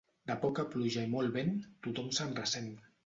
De poca pluja i molt vent, tothom se'n ressent.